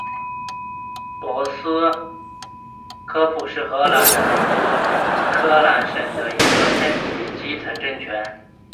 博斯科普是荷兰南荷兰省的一个镇的基层政权。